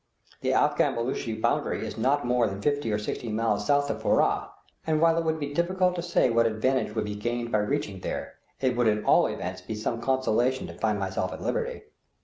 The Afghan Beloochi boundary is not more than fifty or sixty miles south of Furrah, and while it would be difficult to say what advantage would be gained by reaching there, it would at all events be some consolation to find myself at liberty.